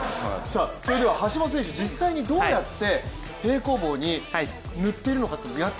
それでは橋本選手、実際にどうやって平行棒に塗っているのか。